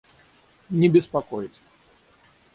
Не беспокоить